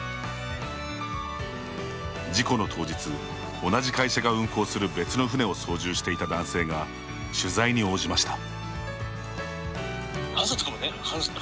事故の当日、同じ会社が運航する別の船を操縦していた男性が取材に応じました。